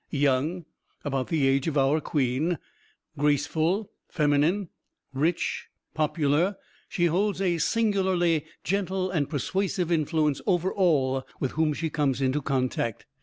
Young (about the age of our Queen), graceful, feminine, rich, popular, she holds a singularly gentle and persuasive influence over all with whom she comes in contact.